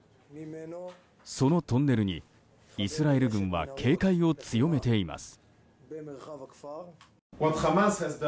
そのトンネルにイスラエル軍は警戒を強めています。